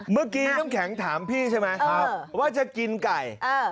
เมื่อกี้น้ำแข็งถามพี่ใช่ไหมว่าจะกินไก่